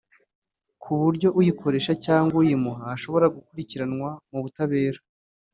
ku buryo uyikoresha cyangwa uyimuha ashobora no gukurikiranwa mu butabera